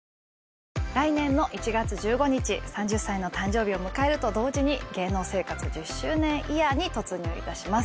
来年の１月１５日、３０歳の誕生日を迎えると同時に、芸能生活１０周年イヤーに突入いたします。